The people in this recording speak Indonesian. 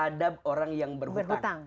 adab orang yang berhutang